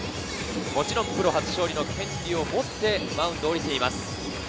もちろんプロ初勝利の権利を持ってマウンドを降りています。